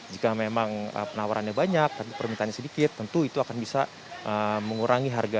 jika memang penawarannya banyak tapi permintaannya sedikit tentu itu akan bisa mengurangi harga